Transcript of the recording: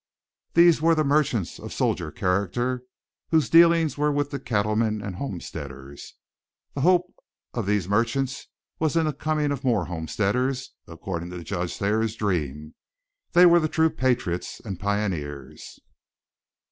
These were the merchants of solider character, whose dealings were with the cattlemen and homesteaders. The hope of these merchants was in the coming of more homesteaders, according to Judge Thayer's dream. They were the true patriots and pioneers.